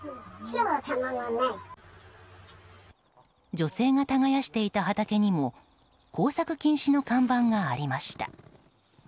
女性が耕していた畑にも耕作禁止の看板がありました。